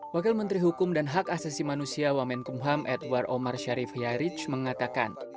wakil menteri hukum dan hak asesi manusia wamenkumham edward omar sharif yairich mengatakan